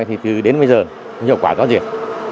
thì từ đến bây giờ hiệu quả rõ ràng